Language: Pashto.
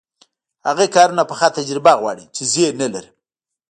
هغه کارونه پخه تجربه غواړي چې ما نلري.